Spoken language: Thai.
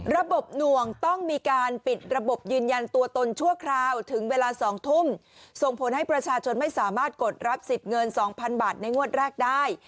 ระบบหน่วงต้องมีการปิดระบบยืนยันตัวตนชั่วคราวถึงเวลา๒ทุ่มส่งผลให้ประชาชนไม่สามารถกดรับสิทธิ์เงิน๒๐๐๐บาทในงวดแรกได้